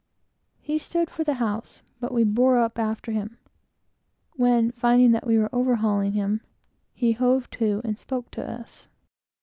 He stood for the house, but we bore up after him; when finding that we were overhauling him, he hove to and spoke us.